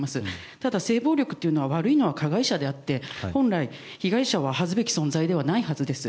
ただ、性暴力というのは悪いのは加害者であって、本来被害者は恥ずべきことではないはすです。